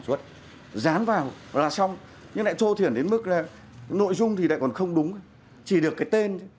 dán vào là xong nhưng lại thô thiển đến mức là nội dung thì lại còn không đúng chỉ được cái tên